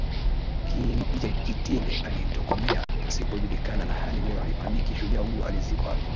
Kinjekitile alitokomea pasipojulikana na hadi leo haifahamiki shujaa huyo alizikwa wapi